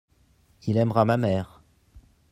il aimera ma mère.